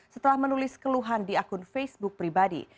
setelah menulis keluhan di akun facebook pribadi